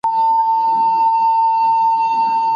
ټایپنګ د تخنیک لومړنی ګام دی.